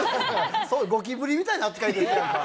ゴキブリみたいな扱いですやんか。